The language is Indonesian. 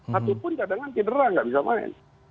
satupun cadangan tidak bisa main